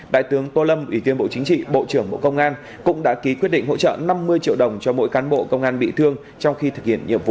đại tướng tô lâm ủy viên bộ chính trị bộ trưởng bộ công an cũng đã ký quyết định hỗ trợ năm mươi triệu đồng cho mỗi cán bộ công an bị thương trong khi thực hiện nhiệm vụ